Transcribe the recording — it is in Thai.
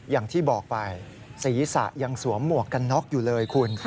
อย่างที่บอกไปศีรษะยังสวมหมวกกันน็อกอยู่เลยคุณ